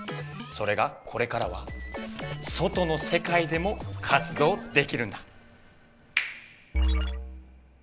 それがこれからは外のせかいでも活動できるんだ。